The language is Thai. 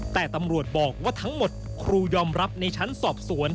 แต่ตำรวจบอกว่าทั้งหมดครูยอมรับในชั้นสอบสวน